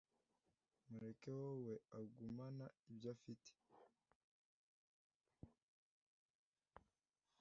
mureke wowe agumana ibyo afite